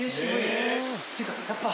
ていうかやっぱ。